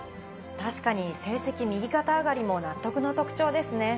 確かに「成績右肩アガリ」も納得の特徴ですね。